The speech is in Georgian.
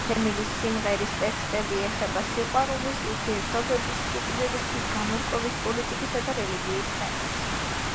ჰემილის სიმღერის ტექსტები ეხება სიყვარულის, ურთიერთობების, სიკვდილის, თვითგამორკვევის, პოლიტიკისა და რელიგიის თემებს.